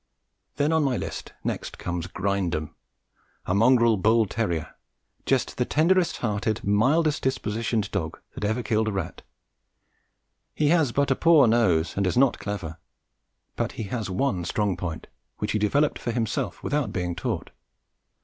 Then on my list next comes "Grindum," a mongrel bull terrier, just the tenderest hearted, mildest dispositioned dog that ever killed a rat. He has but a poor nose and is not clever, but he has one strong point, which he developed for himself without being taught.